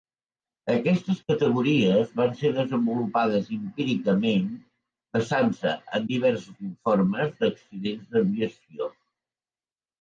Aquestes categories van ser desenvolupades empíricament basant-se en diversos informes d'accidents d'aviació.